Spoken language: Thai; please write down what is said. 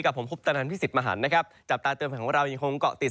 กับผมภุพธนธรรมพิสิทธิ์มหันต์นะครับจับตาเตือนภายของเรายังคงเกาะติด